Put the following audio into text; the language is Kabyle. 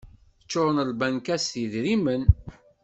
Ččuren lbankat s yidrimen.